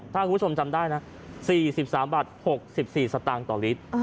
ถ้าคุณผู้ชมจำได้นะ๔๓บาท๖๔สตางค์ต่อลิตร